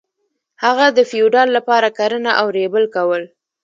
هغه د فیوډال لپاره کرنه او ریبل کول.